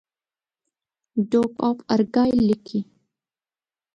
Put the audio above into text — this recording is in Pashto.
ډوک آف ارګایل لیکي.